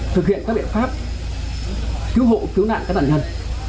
thực hiện các biện pháp cứu hộ cứu nạn các bản nhân